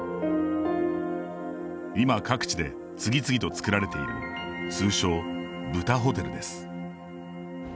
今、各地で次々と造られている通称、豚ホテルです。